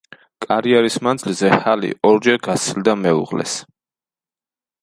კარიერის მანძილზე ჰალი ორჯერ გასცილდა მეუღლეს.